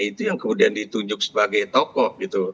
itu yang kemudian ditunjuk sebagai tokoh gitu